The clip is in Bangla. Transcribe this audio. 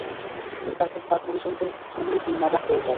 তারপর তার পরিজনদের তুমিই যিম্মাদার হয়ে যাও।